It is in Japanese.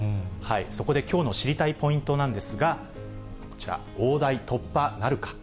そこできょうの知りたいポイントなんですが、こちら、大台突破なるか。